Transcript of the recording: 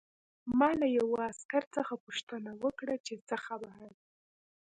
ما له یوه عسکر څخه پوښتنه وکړه چې څه خبره ده